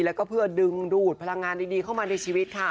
แล้วก็เพื่อดึงดูดพลังงานดีเข้ามาในชีวิตค่ะ